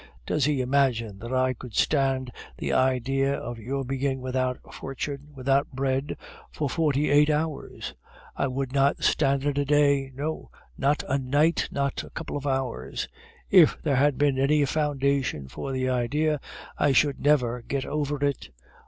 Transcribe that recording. Does he imagine that I could stand the idea of your being without fortune, without bread, for forty eight hours? I would not stand it a day no, not a night, not a couple of hours! If there had been any foundation for the idea, I should never get over it.